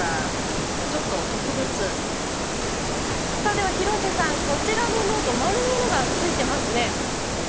では廣瀬さん、こちらのノート丸いものがついていますね。